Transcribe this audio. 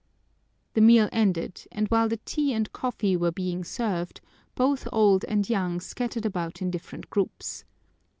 The meal ended, and while the tea and coffee were being served, both old and young scattered about in different groups.